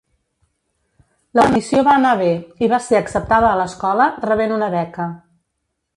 L'audició va anar bé i va ser acceptada a l'escola, rebent una beca.